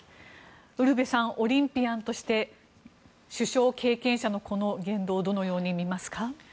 ウルヴェさんオリンピアンとして首相経験者のこの言動をどのように見ますか？